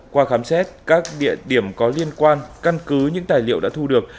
qua khám xét các địa điểm có liên quan căn cứ những tài liệu đã thu được